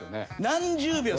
何十秒。